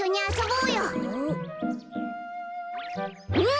うん！